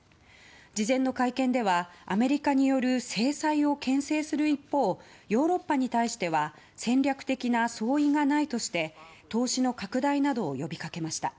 事前の会見ではアメリカによる制裁を牽制する一方ヨーロッパに対しては戦略的な相違がないとして投資の拡大などを呼びかけました。